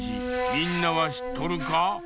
みんなはしっとるか？